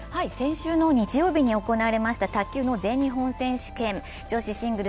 先週の日曜日に行われました卓球の全日本選手権。